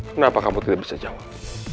kenapa kamu tidak bisa jawab